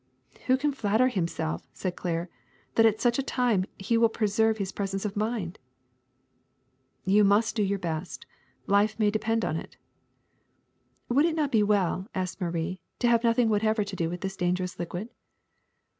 '^ ^^Who can flatter himself,'^ said Claire, ^'that at such a time he will preserv^e his presence of mindT* You must do your best. Life may depend on it. ^'*^ Would it not be well,'' asked Marie, ^^to have nothing whatever to do with this dangerous liquid?"